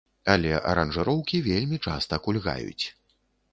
Але аранжыроўкі вельмі часта кульгаюць.